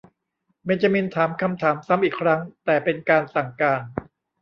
เบนจามินถามคำถามซ้ำอีกครั้ง แต่เป็นการสั่งการ